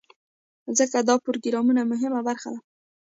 ځکه دا د پروګرام مهمه برخه ده.